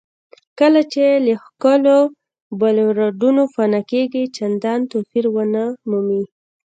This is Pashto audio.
کله چې له ښکلو بولیوارډونو پناه کېږئ چندان توپیر ونه مومئ.